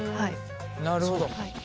なるほど。